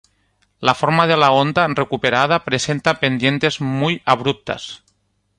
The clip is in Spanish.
La forma de la onda recuperada presenta pendientes muy abruptas.